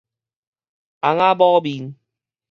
翁仔某面